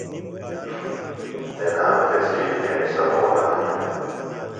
تنام تسی بھیݨیۡ سمولہ ہِنہ۔